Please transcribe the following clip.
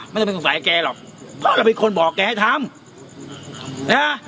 ไม่ต้องเป็นสงสัยแกหรอกเพราะเราเป็นคนบอกแกให้ทำ